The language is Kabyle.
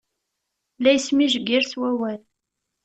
La ismejgir s wawal.